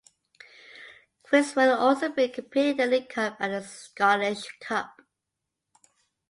Queens will also be competing in the League Cup and the Scottish Cup.